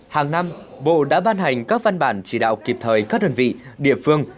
hàng năm bộ đã ban hành các văn bản chỉ đạo kịp thời các đơn vị địa phương